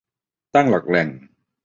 ตั้งหลักแหล่ง